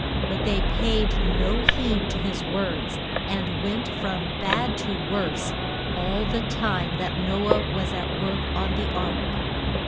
But they paid no heed to his words, and went from bad to worse all the time that No ah was at work on the ark.